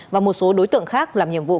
và một số đối tượng khác làm nhiệm vụ